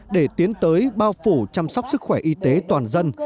để tiến tới bao phủ chăm sóc sức khỏe y tế toàn dân